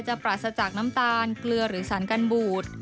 ปราศจากน้ำตาลเกลือหรือสารกันบูด